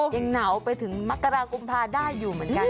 ยังหนาวไปถึงมกรากุมภาได้อยู่เหมือนกัน